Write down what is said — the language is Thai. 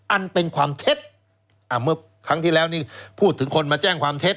อันเป็นความเท็จอ่าเมื่อครั้งที่แล้วนี่พูดถึงคนมาแจ้งความเท็จ